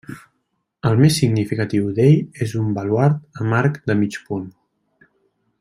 El més significatiu d'ell és un baluard amb arc de mig punt.